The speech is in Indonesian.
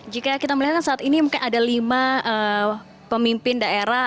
jika kita melihat saat ini mungkin ada lima pemimpin daerah